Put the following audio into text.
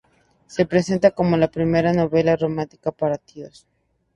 Se presenta como la primera "novela romántica para tíos".